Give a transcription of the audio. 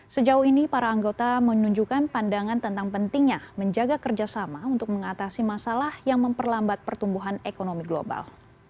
sejauh ini para anggota menunjukkan pandangan tentang pentingnya menjaga kerjasama untuk mengatasi masalah yang memperlambat pertumbuhan ekonomi global